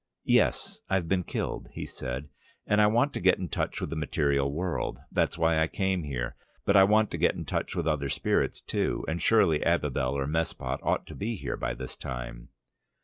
"Yes, I've been killed," he said, "and I want to get into touch with the material world. That's why I came here. But I want to get into touch with other spirits too, and surely Abibel or Mespot ought to be here by this time."